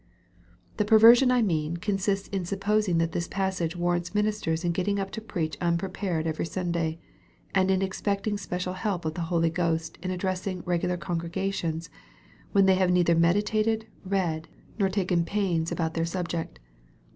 The perversion I mean, consists in supposing that this passage warrants ministers in getting up to preach unprepared every Sunday, and in expecting special help of the Holy Ghost in addressing regu lar congregations, when they have neither meditated, read, nor tak'>n pains about their subject.